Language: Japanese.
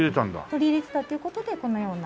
取り入れてたという事でこのような。